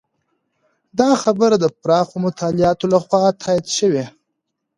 دا خبره د پراخو مطالعاتو لخوا تایید شوې.